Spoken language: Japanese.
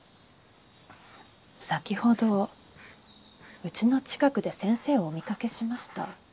先ほどうちの近くで先生をお見かけしました。